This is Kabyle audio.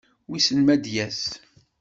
Wissen ma ad d-yas.